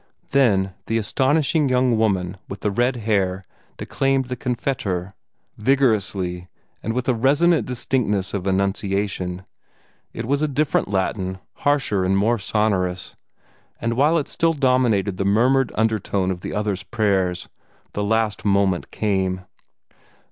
Then the astonishing young woman with the red hair declaimed the CONFITEOR, vigorously and with a resonant distinctness of enunciation. It was a different Latin, harsher and more sonorous; and while it still dominated the murmured undertone of the other's prayers, the last moment came.